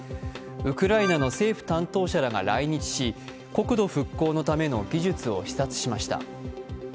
ウクライナの政府担当者らが来日し国土復興のための技術を視察しました。